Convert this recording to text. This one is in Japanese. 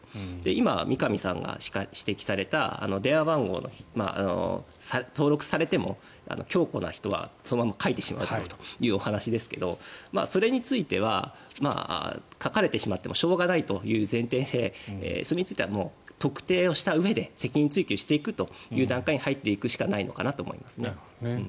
今、三上さんが指摘された電話番号を登録されても強固な人はそのまま書いてしまうというお話ですがそれについては書かれてしまってもしょうがないという前提でそれについては特定したうえで責任追及していくという段階に入っていくしかないのかなと思います。